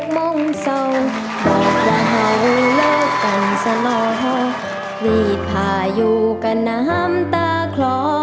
๖โมงเศร้าบอกว่าเฮาแล้วกันสะล้อรีดพายุกับน้ำตาคลอ